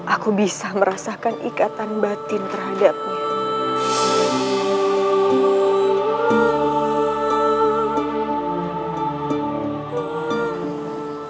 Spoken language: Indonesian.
aku bisa merasakan ikatan batin terhadapnya